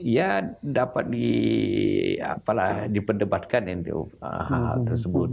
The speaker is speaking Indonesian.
ya dapat dipendebatkan hal hal tersebut